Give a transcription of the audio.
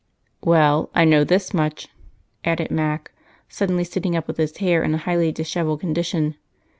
"Well, I know this much," added Mac, suddenly sitting up with his hair in a highly disheveled condition.